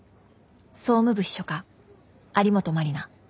総務部秘書課有本マリナ」。